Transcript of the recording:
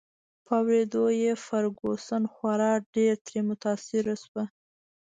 په اوریدو یې فرګوسن خورا ډېر ترې متاثره شوه.